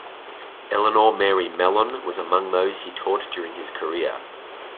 Eleanor Mary Mellon was among those he taught during his career.